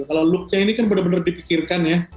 kalau look nya ini kan benar benar dipikirkan ya